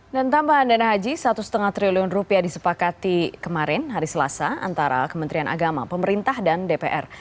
dan tambahan dana haji satu lima triliun rupiah disepakati kemarin hari selasa antara kementerian agama pemerintah dan dpr